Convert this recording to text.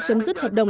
chấm dứt hợp đồng